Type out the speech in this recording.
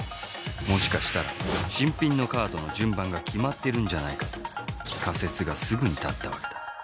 もしかしたら新品のカードの順番が決まってるんじゃないかと仮説がすぐに立ったわけだ。